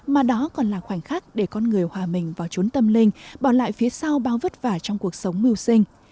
mà đó còn là khoảnh khắc để con người hòa mình vào trốn tâm linh bỏ lại phía sau bao vất vả trong cuộc sống mưu sinh